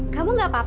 kamu gak papa kan